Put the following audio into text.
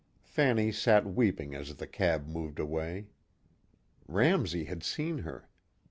Fanny sat weeping as the cab moved away. Ramsey had seen her.